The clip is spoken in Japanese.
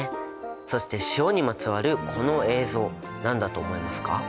そして塩にまつわるこの映像何だと思いますか？